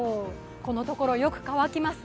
このところ、よく乾きます。